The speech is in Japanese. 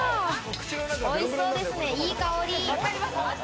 おいしそうですね、いい香り。